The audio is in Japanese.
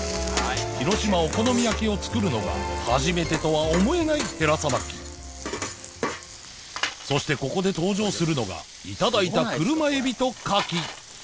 広島お好み焼きを作るのが初めてとは思えないヘラさばきそしてここで登場するのがいただいた車エビとカキ